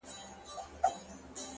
راسه د يو بل اوښکي وچي کړو نور”